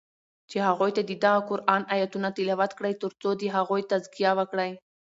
چی هغوی ته ددغه قرآن آیتونه تلاوت کړی تر څو د هغوی تزکیه وکړی